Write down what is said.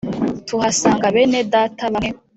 Tuhasanga bene Data bamwe